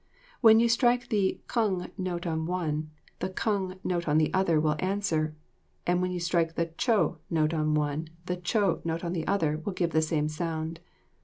When you strike the kung note on one, the kung note on the other will answer, and when you strike the cho note on the one the cho note on the other will give the same sound.